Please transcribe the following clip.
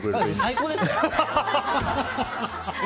最高ですね。